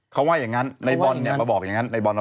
เขาว่าอย่างงั้นในบอลมาบอกอย่างงั้น